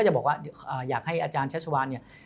จะบอกว่าอยากให้อาจารย์ชัชวานเนี่ย